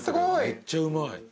めっちゃうまい。